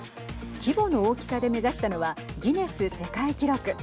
規模の大きさで目指したのはギネス世界記録。